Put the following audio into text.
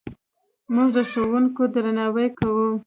موږ د ښوونکو درناوی کوو.